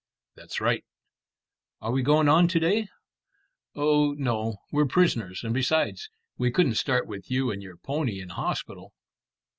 "That's right." "Are we going on to day?" "On? No. We're prisoners; and besides, we couldn't start with you and your pony in hospital."